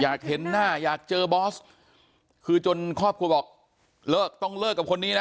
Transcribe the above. อยากเห็นหน้าอยากเจอบอสคือจนครอบครัวบอกเลิกต้องเลิกกับคนนี้นะ